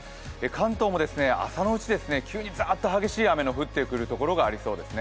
関東も朝のうち、急にザーッと激しい雨の降ってくるところがありそうです。